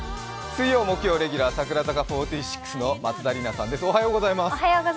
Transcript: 水曜、木曜レギュラー、櫻坂４６の松田里奈さんです。